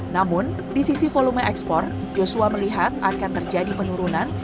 namun di sisi volume ekspor joshua melihat akan terjadi penurunan